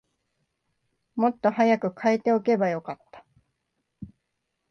もっと早く替えておけばよかった